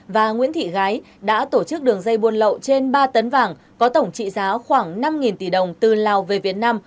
và nguyễn thị gái đã tổ chức đường dây buôn lậu trên ba tấn vàng có tổng trị giá khoảng năm tỷ đồng từ lào về việt nam